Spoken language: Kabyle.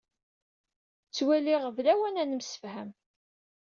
Ttwaliɣ d lawan ad nemsefham.